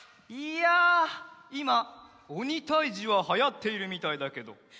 いやいまおにたいじははやっているみたいだけど。